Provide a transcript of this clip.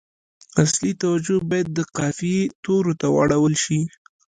اصلي توجه باید د قافیې تورو ته واړول شي.